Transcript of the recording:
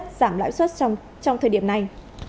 giảm lãi suất trong thời điểm này